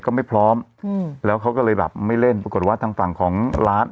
ก็ไม่พร้อมอืมแล้วเขาก็เลยแบบไม่เล่นปรากฏว่าทางฝั่งของร้าน